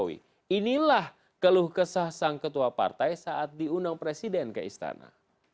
inilah keluh kesah sang ketua partai saat diundang presiden ke istana